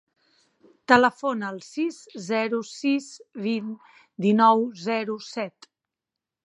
Telefona al sis, zero, sis, vint, dinou, zero, set.